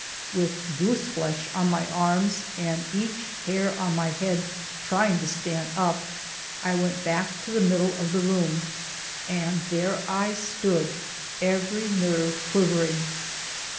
With "goose flesh" on my arms, and each hair on my head trying to stand up, I went back to the middle of the room, and there I stood, every nerve quivering.